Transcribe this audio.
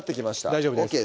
大丈夫です